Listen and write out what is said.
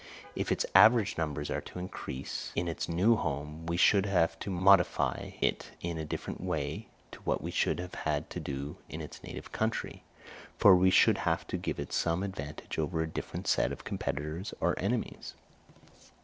If its average numbers are to increase in its new home, we should have to modify it in a different way to what we should have had to do in its native country; for we should have to give it some advantage over a different set of competitors or enemies.